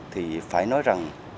thì phải nói rằng